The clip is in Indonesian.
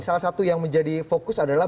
salah satu yang menjadi fokus adalah